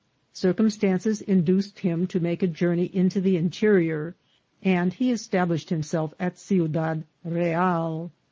Circumstances induced him to make a journey into the interior, and he established himself at Ciudad Real.